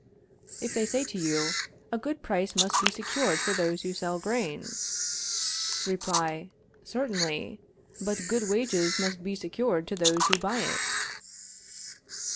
If they say to you: A good price must be secured for those who sell grain Reply: Certainly; but good wages must be secured to those who buy it.